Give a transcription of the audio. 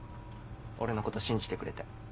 俺のこと信じてくれて。